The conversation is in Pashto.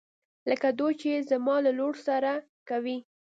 لکه دوی چې يې زما له لور سره کوي.